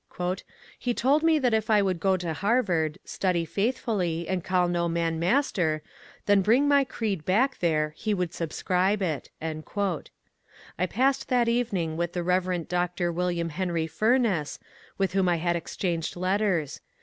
^^ He told me that if I would go to Harvard, study faithfully, and call no man master, then bring my creed back there, he would subscribe it." I passed that evening with the Bev. Dr. William Henry Fumess, with whom I had exchanged letters.